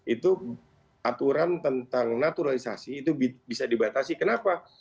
itu aturan tentang naturalisasi itu bisa dibatasi kenapa